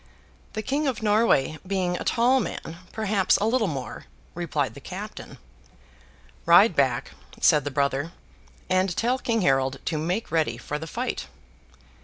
'The King of Norway being a tall man, perhaps a little more,' replied the captain. 'Ride back!' said the brother, 'and tell King Harold to make ready for the fight!